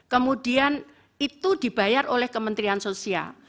kemudian itu dibayar oleh kementerian sosial